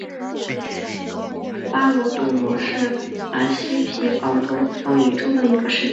巴罗杜罗是巴西皮奥伊州的一个市镇。